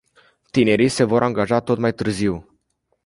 Tinerii se vor angaja tot mai târziu.